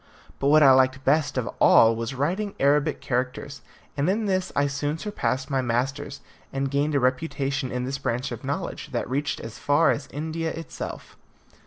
But what I liked best of all was writing Arabic characters, and in this I soon surpassed my masters, and gained a reputation in this branch of knowledge that reached as far as India itself.